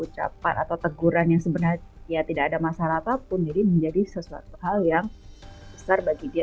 ucapan atau teguran yang sebenarnya ya tidak ada masalah apapun jadi menjadi sesuatu hal yang besar bagi dia